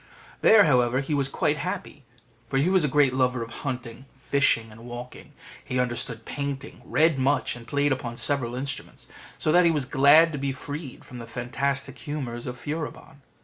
There, however, he was quite happy, for he was a great lover of hunting, fishing, and walking: he understood painting, read much, and played upon several instruments; so that he was glad to be freed from the fantastic humours of Furibon.